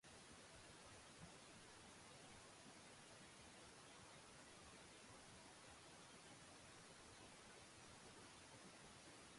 貨物列車の線路と日本触媒の迫力ある化学系のプラントのコントラストが鑑賞できる川崎を代表する人気のスポットです。